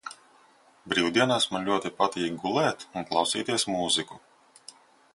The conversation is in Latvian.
Brīvdienās man ļoti patīk gulēt un klausīties mūziku.